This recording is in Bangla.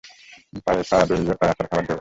পায়ে পা জড়িয়ে প্রায় আছাড় খাবার জোগাড়।